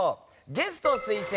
ゲスト推薦！